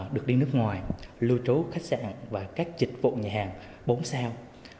được đi nước ngoài lưu trú khách sạn và các dịch vụ nhà hàng bốn sao